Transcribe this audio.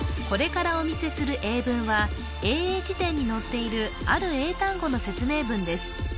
これからお見せする英文は英英辞典に載っているある英単語の説明文です